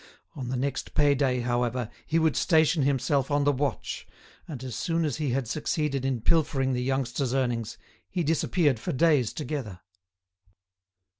On the next pay day, however, he would station himself on the watch, and as soon as he had succeeded in pilfering the youngster's earnings, he disappeared for days together.